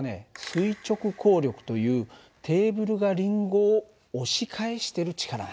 垂直抗力というテーブルがりんごを押し返してる力なんだ。